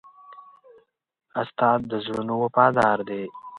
استاد د زړونو وفادار دی.